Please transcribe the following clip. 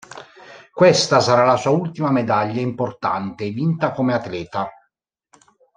Questa sarà la sua ultima medaglia importante vinta come atleta.